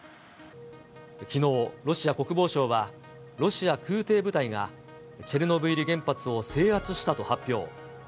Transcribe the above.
きのう、ロシア国防省は、ロシア空てい部隊がチェルノブイリ原発を制圧したと発表。